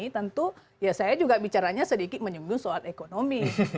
tentu saya juga bicaranya sedikit menyumbung soal ekonomi